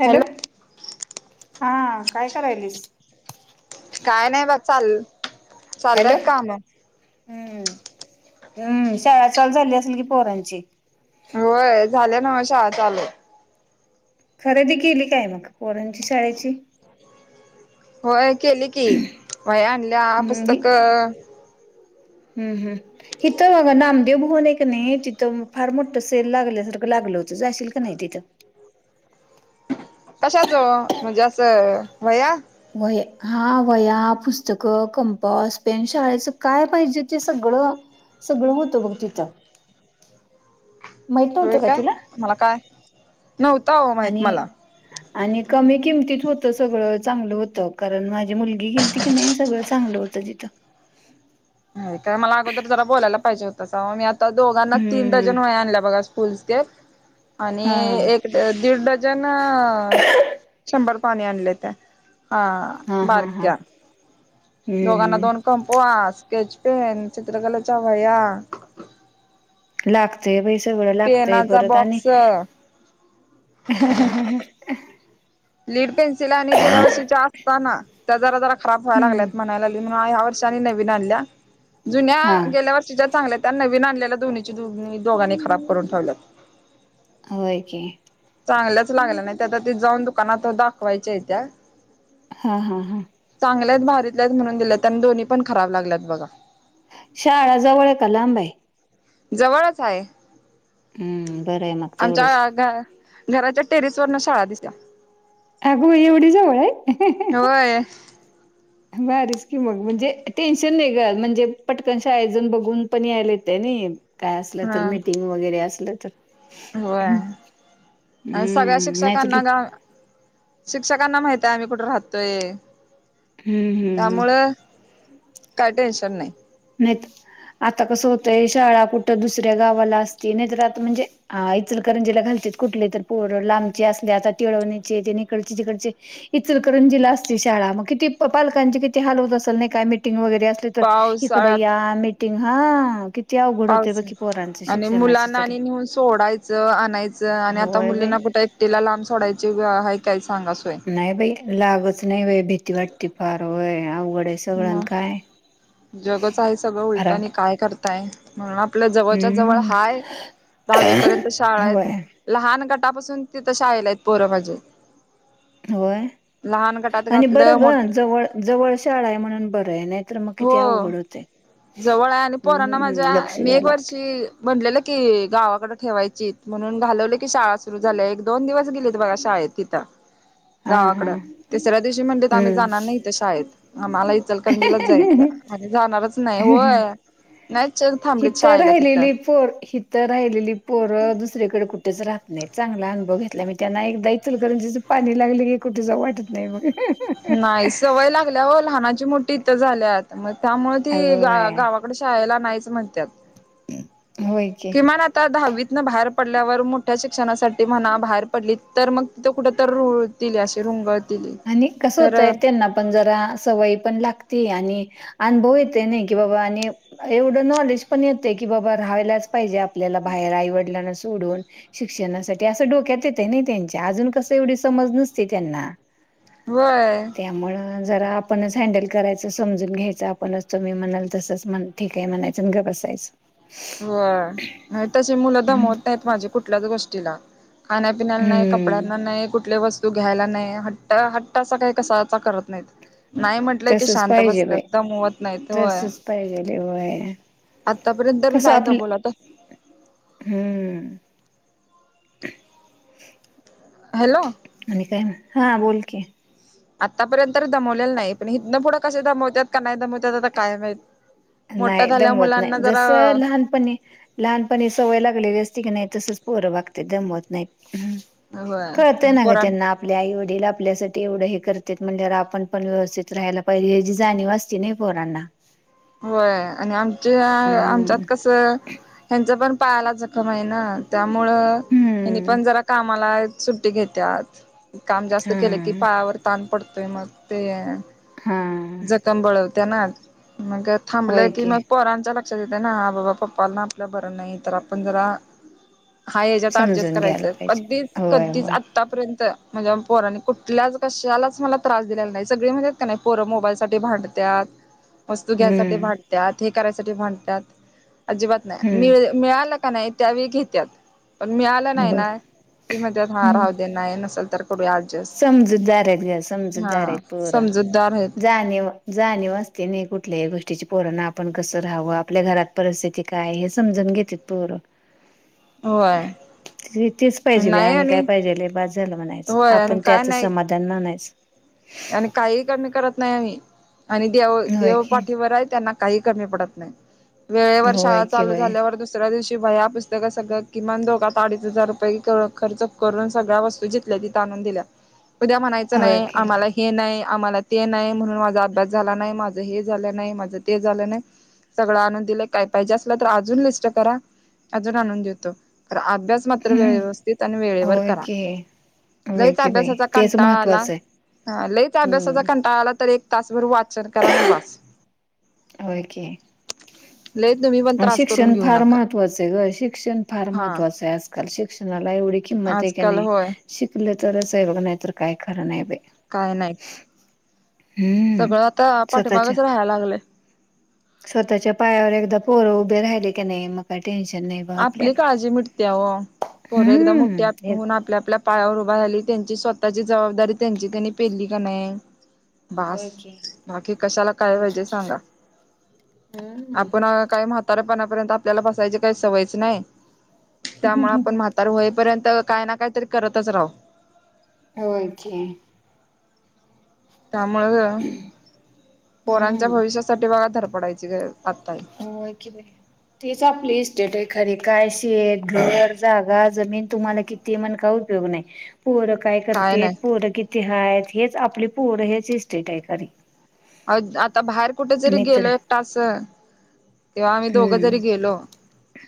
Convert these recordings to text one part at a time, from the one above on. Hello हा काय करायलीस? काय नाही बघ चाल चालल्यात हॅलो काम हम्म हम्म शाळा चालू झाली असेल कि पोरांची होय झालं ना म शाळा चालू खरेदी केली काय मग पोरांची शाळेची होय केली की होय आणल्या हम्म हि पुस्तक हम्म हम्म हिथं अगं नामदेव भुवन आहे का नाही तिथं फार मोठं सेल लागलाय लागल होत जाशील का नाही तिथ कशाच म्हणजे असं वह्या व्हय हा व्हया पुस्तकं कंपास् पेन शाळेच काय पाहिजे ते सगळं सगळ सगळं होत बघ तिथं माहित होय नव्हतं का काय तुला? मला काय नव्हत ओ माहित आणि मला आणि कमी किमतीत होत सगळं चांगलं होतं कारण माझी मुलगी गेलती की नाही सगळं चांगलं होत. तिथं काय मला अगोदर जरा बोलायला पाहिजे होतं काओ आता दोघांना तीन हम्म. डझन व आणल्या बघा फुल्सकेप आणि हा एक दीड डजन शंभर पाणी आणलेेत हा हा हा हा बारक्या दोघांना हम्म दोन कंपो आस स्केच पेन, चित्रकलेच्या वह्या लागतय [unintelligible] तेवढ लागतय पेनाचा परत आणि बॉक्स लीड पेन्सिल आणि गेल्या वर्षीच्या असताना त्या जरा जरा खराब व्हाय हम्म लागल्यात म्हणाय लागली. या वर्षा नवीन आनल्या जुन्या हा गेल्या वर्षी च्या चांगल्या त्या नवीन आणलेल्या दोन्हीची दो दोघांनी खराब करून ठेवल्यात. होय की चांगल्याच लागल्या नाही त्या ते जाऊन दुकानात दाखवायच्या ह्यच्यात हा हा हा. चांगल्यात भारीतल्या म्हणून दिलेत दोन्ही पण खराब लागल्यात बघा. शाळा जवळ आहे का लांब आहे? जवळच हाय. हम्म बरं आहे मग तेवढंच घराच्या टेरिस वरन शाळा दिसतीया. अगं बाई एवढी जवळ हाय. होय. भारीच कि मग म्हणजे टेन्शन नाही ग म्हणजे पटकन शाळेत जाऊन बघून पण यायला येतंय. काय असलं तर हा मीटिंग वगैरे असलं तर होय सगळ्या हम्म नाहीच शिक्षकांना गा शिक्षकांना माहित आहे आम्ही कुठे राहतोय. हम्म हम्म हम्म त्यामुळं काय टेन्शन नाही. नाहीतर आता कसं होतय शाळा कुठं दुसऱ्या गावाला असती नाहीतर आता म्हणजे आ इचलकरंजीला घाल कुठली तर पोरं लांबची असली आता तिळवनिची तेन इकडची तिकडची इचलकरंजीला अस शाळा मग किती पालकांची किती हाल होत असल नाही काय मिटिंग वगैरे असली तर इकड पावसाळ्यात या मीटिंग हा की अवघड होते पावस बघ पोरांचं आणि शिक्षणाच मुलांना तरी आणि नेहून सोडायचं आणायचं आणि आता होय बाई मुलींना कुठ एकटीला लांब सोडायची आहे काय सांगा सोय नाही बाई लागच नाही वय भीती वाटती फार वय अवघड आहे सगळंना मग काय जगच आहे सगळं उलटा फराव आणि काय कर म्हणून आपल्या जवळच्या जवळ हम्म हाय दहावी पर्यंत शाळा आहेत होय, लहान पासून तिथं शाळेला आहेत पोरं माझी होय आणि घातलं बरं ग मोठ जवळ जवळ शाळा आहे म्हणून बर आहे. नाहीतर मग हो किती अवघड होतय. जवळ आहे आणि हम्म पोरांना माझ्या हम्म लक्ष मी द्यावं एक लागत वर्षी म्हनलेलं. कि गावाकड ठेवायचीत म्हणून घालवले की शाळा सुरु झाल्या एक दोन दिवस गेलेत बघा शाळेत तिथं हा हा गावाकड तिसऱ्या दिवशी म्हणलीत आम्ही हम्म. जाणार नाही इथं शाळेत आम्हाला इचलकरंजीलाच जायच. आणि जाणारच नाही होय. नाहीच थांबलीत हिथं शाळेला तिथं राहिलेली पोर हिथ राहिलेली पोर दुसरीेकडे कुठेच राहत नाही चांगला अनुभव घेतला मी त्यांना एकदा इचलकरंजीच पाणी लागल की कुठ जावू वाटत नाही बग नाही सवय लागल्या हो लहानाची मोठी इथ झाल्यात मग त्यामुळ ती ग होय, गावाकड शाळेला नाहीच म्हणत्यात. होय की. किमान आता दहावीत ना बाहेर पडल्यावर मोठ्या शिक्षणासाठी म्हणा बाहेर पडली तर मग तिथं कुठं तर रुळतील अशी रुंगत आणि कसं होतय त्यांना पण जरा सवयी पण लागत ती आणि अनुभव येतय नाही की बाबा आणि एवढं नॉलेज पण येते की बाबा राहायलाच पाहिजे आपण आपल्याला बाहेर आई-वडिलांना सो सोडून शिक्षणासाठी असं डोक्यात येतय नाही त्यांच्या अजून कस एवढी समज नसते त्यांना होय. त्यामुळं जरा आपणच हँडल करायचं समजून घ्यायचं आपणच तुम्ही म्हणाल तसंच ठीक आहे म्हणायच आणि गप्प -‍- बसायचं हो आणि तशी मुलं दमवत नाहीत माझी कुठल्याच गोष्टीला खाण्या पिण्याला नाही हम्म कपड्यांना नाही कुठले वस्तू तू घ्यायला नाही हट्ट हट्ट अस काही कसाचा करत नाहीत नाही म्हटलं कि तसच शांत पाहिजे बसतात बाई दमवत नाहीत होय तसच पाहिजेल होय आतापर्यंत तरी कसं नाही आपलं दमवलं ह्म [unintelligible] हॅलो आणि काय हा बोल कि आतापर्यंत तर दमवलेलं नाही पण हितन पुढं कसं दमवतात का नाही दमवत्या आता काय माहीत नाही दमवत नाही जस लहानपणी लहानपणी सवय लागलेली असती क नाही तसचं पोर वागत्यात दमवत नाही कळतंय होय ना गं पोरां त्यांना आपल्या आई वडील आपल्यासाठी एवढं हे करत्यात म्हणजे आपण पण व्यवस्थित राहायला पाहिजे हे जी जाणीव असती नाही पोरांना होय आणि आमच्या आमच्यात हम्म कसं ह्यांचं पण पाहाला जखम आहे ना त्यामुळं हनी हम्म पण जरा कामाला सुट्टी घेत्यात काम जास्त केलं की हम्म पायावर ताण पडतोय मग ते हा जखम बळवत्या ना मग थांबलं की मग पोरांच्या चलित ना बाबा पप्पा ना आपल्या बरं नाही तर आपण जरा हा याच्यात अऍडजस्ट समजून करायच घ्यायला पाहिजे कधीच होय कधीच होय आत्तापर्यंत माझ्या पोरांनी कुठल्याच कशालाच मला त्रास दिलेला नाही सगळी म्हणत्यात क नाही र मोबाईल साठी भांडत्यात वस्तू घ्यासाठी हम्म भांडत्यात करायसाठी भांडत्यात अजिबात नाही मि हम्म मिळाला का नाही त्यावेळी घेतात. पण मिळालं नाही बघ ना की म्हणतात हा हम्म राहू दे नाही नसलं समजूतदार आहेत गं समजूदार हा आहेत पोरं समजूतदार आहेत जाणीव जाणीव असते ने कुठ कुठल्याही गोष्टीची पोराना आपण कसं राहावं आपल्या घरात परिस्थिती काय हे समजून घेततात पोर होय तेच पाहिजे बाई आणि काय पाहिजे ल बास झालं म्हणायचं होय आणि आपण काय त्यातचं नाही समाधान मानायच. आणि काहीही कमी करत नाही आम्ही आणि देव होय देव की पाठीवर आहे त्यांना‍ काही कमी पडत नाही वेळेवर होय शाळा की चालू बाई झाल्या दुसऱ्या दिवशी वह्या पुस्तकं सगळ किमान दोघात अडीच हजार रुपये खर्च करून सगळ्या वस्तू जिथल्या तिथं आणू णून दिल्या उद्या म्हणायच होय नाही की. आम्हाला हे. नाही आम्हाला ते नाही म्हणून माझा अभ्यास झाला नाही माझं हे झालं नाही माझं ते झालं नाही. सगळं आणून दिले काय पाहिजे असलं तर अजून लिस्ट करा अजून आणून देतो. अभ्यास मात्र हम्म वेळे व्यवस्थित आणि वेळेवर होय करा. की होय लईचं की बाई अभ्यासाचा तेच कंटाळा आला. महत्त्वाचं आहे. ह लईच अभ्यासाचा हम्म कंटाळळाला तर एक तासभर वाचन करा न बास. होय कि लई तूम्ही शिक्षण फार महत्त्वाचं आहे गं शिक्षण फार हा महत्त्वाचं आहे आजकाल शिक्षणाला एवढी किंमत आहे. हे आजकाल कणी होय शिकल तरच आहे बघ नाहीतर काय खरं नाही. काय नाही. हम्म सगळं आता स्वतःच्या पाठीमागच राहायला लागलंय. स्वतःच्या पायावर एकदा पोरं उभी राहिली की नाही मग काय टेश आपली काळजी मिटती या हो पोर एकदा मोठी हम्म एक हुवून आपल्या आपल्या पायावर उभा झाली त्यांची स्वतःची जबाबदारी त्यांची त्यांनी पेलली का नाही. बास होय की बाकी कशाला काय होय की पाहिजे सांगा. हम्म आपण काय म्हातारं म्हातार पाणापर्यंत आपल्याला बसायची काही सवयच नाही त्यामुळे आपण म्हातार होईपर्यंत काय ना काही तरी करतच राव. होय कि त्यामुळ पोरांच्या हम्म भविष्यासाठी बघा धडपडायची गर हो कि तेच आपली इस्टेट आहे. खरे काय शेत घर जागा जमीन तुम्हाला किती म्हण का उपयोग नाही. पोरं काय करते पोर किती हायत हेच आपली पोर हेच हिस्टेट आहे खरी अ आता बाहेर कुठे जरी मी तर गेलो एक तास तेव्हा आम्ही दोघं हम्म जरी गेलो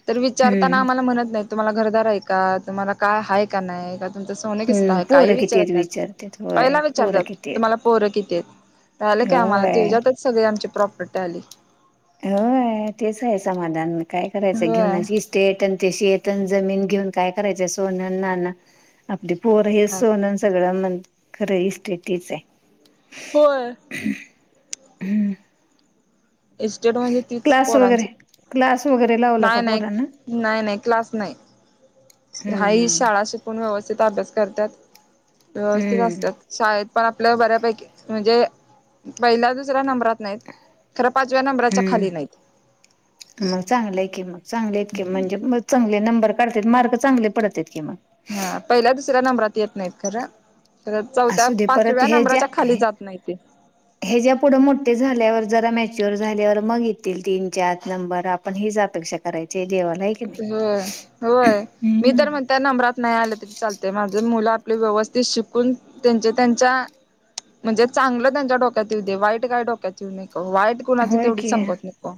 तर विचारताना हम्म आम्हाला म्हणत नाही. तुम्हाला घरदार आहे का तुम्हाला काय आहे का नाही का? तम सोन किस्त हम्म आहे काही पोरं किती आहेत विचारत नाहीत विचारतेत होय पहिला पोरं विचारतात किती आहेत तुम्हाला पोरं किती? ते आम्हाला होय. तेच्यातच सगळे आमची प्रॉपर्टी आली. हो य तेच आहे समाधान काय करायचं घेऊन होय इस्टेट आणि ते शेत. जमीन घेऊन काय करायच सोनन नान आपली पोर हे काय सोनन सगळं म्हण. खरं ह इस्टेट तीच आहे. बर. हम्म. इस्टेट म्हणजे तीच क्लास वगैरे पोरांची. क्लास वगैरे लावला का नाही नाही पोरांना ह. हा य हीच शाळा शिकून व्यवस्थित अभ्यास करतात व्यवस्थित हम्म असतात शाळेत. आपल्या बऱ्यापैकी म्हणजे पहिला दुसऱ्या नंबरात खर पाचव्या नंबच्या खाली नाही. हम्म मग चांगलंय की मग चांगले आहेत किं म्हणजे चांगले नंबर काढत मार्क चांगले पडत्यात कि मग हा पहिल्या दुसऱ्या नंबरात येत नाहीत खरं. तर चौथ्या असू दे परत पाचव्या हे ज्या नंबराच्या खाली जात नाही ते हे ज्या पुढं मोठे झाल्यावर जरा मॅच्युअर झाल्यावर मग येतील तीन चार नंबर आपण हीच अपेक्षा करायचे. होय होय मी हम्म. तर म्हण त्या नंबरात नाही आलं तरी चालते माझ मुलं आपले व्यवस्थित शिकून त्यांच्या त्यांच्या म्हणजे चांगलं त्यांच्या डोक्यात येऊ दे वाईट काय डोक्यात येऊ न. वाईट कुणाची होय तेवढीच की संगत नको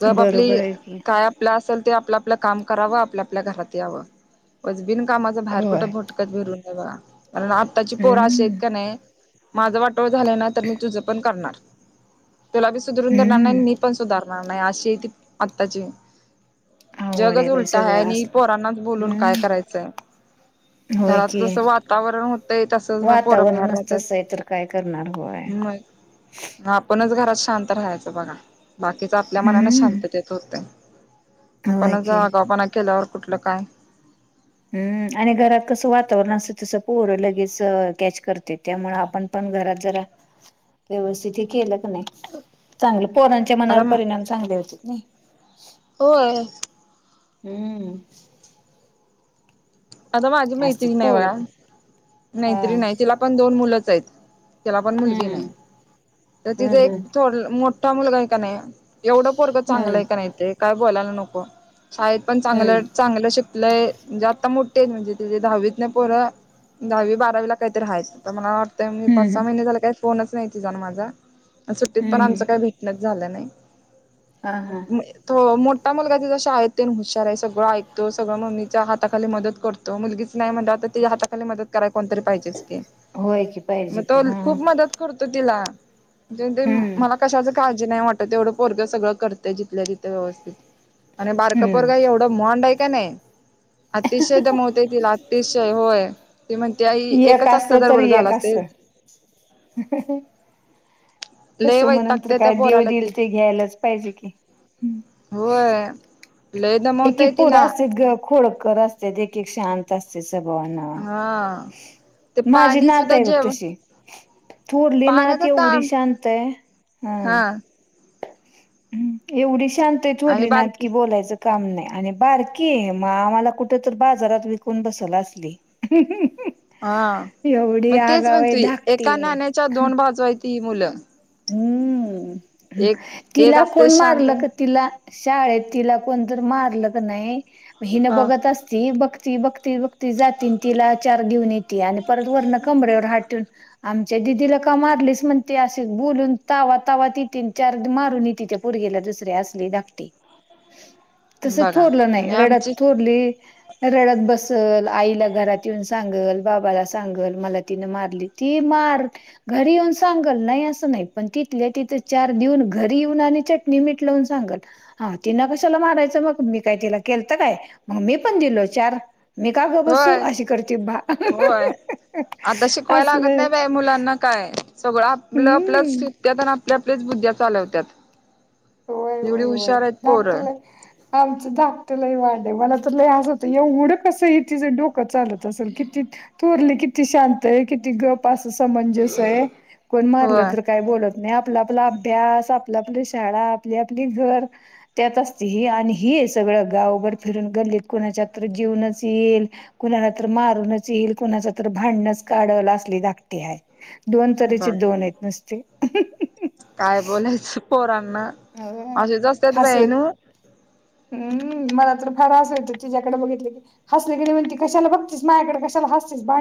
ज आप आपली बरोबर आहे की. काय आपलं असेल ते आपलं आपलं काम करावं आपल्या आपल्या घरात यावं वजबिन कामाचं बाहेर होय. कुठं भटकत भिरून बघण आत्ताची पोरशी आहेत हम्म का नाही माझं वाटळ झालं ना तर मी तुझं पण करणार तुला बी सुधरून देणार नाही हम्म मी पण सुधार नाही अशी आहे त आत्ताची आवड जगच बाई उलट आहे सगळं आणि असलं. पोरांनाच बोलून काय हम्म करायचंय होय घरात की जस वातावरण होतंय तसच मग पोरं बाहेर वातावरणच तसं आहे तर काय करणार होय. राहतात मग आपणच घरा शांत राहायचं बघा बाकीच आपल्या मनाने हम्म शांत दच होतं होय आपण च की. आगावपणा केल्यावर कुठलं काय हम्म आणि घरात कसं वातावरण असत तस पोर लगेच कॅच करते त्यामुळे आपण पण घरात जरा व्यवस्थित ही केल कने चांगलं पोरांच्या मनावर परिणाम चांगले होतेत नय हो हम्म आता माझी असतेत मैत्रीण हाय पोरं बघा पण हा. मैत्रीण हाय तिला पण दोन मुलंच आहेत त्याला पण मुलगी हम्म नाही तर तिथे हम्म एक हम्म थोड मोठा मुलगा आहे का नाही एवढं पोरगं हम्म चांगलंय का नाही ते काय बोलायला नको शाळेत पण चांगलं हम्म चांगलं शिकलंय म्हणजे आता मोठ टेन म्हणजे तिे दहावीत पोर दहावी बारावीला काहीतरी राहायचं मला वाट मी पाच सहा हम्म महिने झाले काही फोनच नाही तिझा आणि माझा आणि सुट्टीत पण आमच हम्म काही भेटणच झालं नाही हा हा. तो मोठ. ता मुलगाचे जश आहेत ते हशार सगळ ऐकतो सगळ मम्मीच्या हाताली मदत करतो मुलगी. नाही म्हण हााली मदत कराय कोणतरी पाहिजेच की होय की मग पाहिजे की तो हा खूप मदत करतो. तिला म्ह हम्म मला कशाच का. नाही वाटत तेवढं पोरगं सगळं करंय जिथल्या तिथे व्यवस्थित. आणि बारकापोरग हम्म एवढं मांड आहे का नाही अतिशय. ला तिसशय होय. ती म्हणते आई एक एकच अस असतं तर बरं झालं एक अस. असतय तस लय मग नंतर वैतागते त्या काय देव पोराला देईल ती ते घ्यायलाच पाहिजे की. होय. लय एक दमवतय एक पोर तिला असत ग खोड. कर असते देख एक शांत असते सभावन. हा ते माझी पाणी नात सुद्धा आहे बघ जेवण तशी. थोरली नात पाण्याचा एवढ ताण शांत आहे हम. हा ह् एवढी आणि शांतथोरली नात बारकी कि बोलायचं का काम नाही आणि बारकी मग आम्हाला कुठ तर बाजारात विकून बसल असली. हा एवढी मग तेच आगाव आहे म्हणतु धाकटी एका आहे. नाण्याच्या दोन बाजू आहे त ही मुलं. हम्म एक एक तिला असते कोण शांत मारल का तिला शाळेत तिला कोण तर मार. नाही हि ह बघत अस बघ. बघती बघती जाती तिला चार घेऊन येते आणि परत वरण कमर्यावर हटून आमच्या. दीदी ला का मारलीच म्हणते. बोलून तावा तावा ति त चार मारून य त त्या पोरगीला दुसरीे असली धाकटी. तस बघा थोरलं नाही आणि रडत आमची थोरली रडत बस. चल आईला घरात येऊन सांगल बाबाला सांगल मला तिन मारली ती मार. घरी येऊन सांगल नाही. तिथल्या तिथे चार देऊन घरी येऊन आणि चटणी मीठ लावून सांगेल हा तिला कशाला.. मारायचं मग मी काय तिला केल तर काय मग मी पण दिलो चार मी का ग बसू होय अशी करते बा होय आता शिकवायला असल. लागत नाही बाई मुलांना काय सगळं आपलं आपलंच कृत्यात आणि आपली आपलीच बुद्ध्या चालवतात. होय होय होय धाकटे ला आमचं धाक ट लई वांड हाय. मला तर लय हास येतंय. एवढं कस तिज डोकं चालत असेल, किती थोरली की किती शांत आहे, किती गप अस समंजस आहे. कोण मारलं होय तर काय बोलत नाही. आपला आपला अभ्यास, आपल्या आपली शाळा, आप आपली घर त्यात असते. आणि हि सगळं गावभर फिरून गल्लीत कुणाच्यात जे ऊनच येईल, कुणाला तर मारूनच येईल, कुणाच तर भांडणच काढल असली धाकटी आहे. दोन तऱचे बर दोन आहेत नुसते. काय बोलायचं पोरांना अ असेच असत्यात बाई हसेत. नव्ह हम्. हम. मला तर फार हसाय येतं तिच्या्याकडे बघितलं की. हसले कणी म्हणती कशाला बघतीस माझ्याकडे, कशाला हसतीस बा